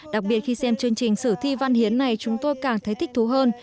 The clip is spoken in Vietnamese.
đặc biệt khi xem chương trình sử thi văn hiến này chúng tôi càng thấy thích thú hơn